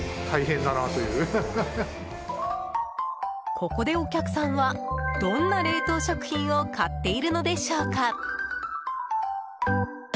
ここで、お客さんはどんな冷凍食品を買っているのでしょうか。